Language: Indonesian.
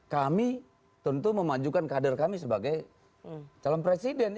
kami tentu memajukan kader kami sebagai calon presiden